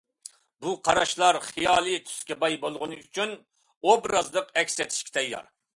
بۇ قاراشلار خىيالىي تۈسكە باي بولغىنى ئۈچۈن ئوبرازلىق ئەكس ئېتىشكە تەييار.